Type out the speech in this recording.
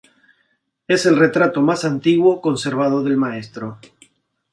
Es el retrato más antiguo conservado del maestro.